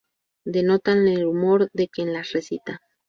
Denotan el humor de quien las recita.